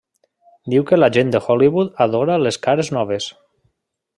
Diu que la gent de Hollywood adora les cares noves.